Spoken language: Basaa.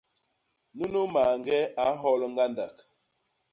Nunu mañge a nhol ñgandak.